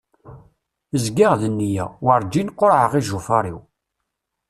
Zgiɣ d neyya, warǧin qurɛeɣ ijufar-iw.